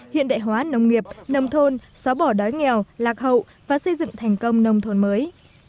hiện đại hóa nông nghiệp nông thôn xóa bỏ đói nghèo lạc hậu và xây dựng thành công nông thôn mới